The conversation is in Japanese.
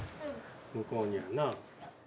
向こうにはな。